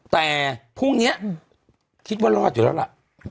แต่พรุ่งนี้คิดว่ารอดอยู่แล้วล่ะ